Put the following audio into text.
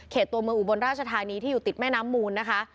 ตัวเมืองอุบลราชธานีที่อยู่ติดแม่น้ำมูลนะคะ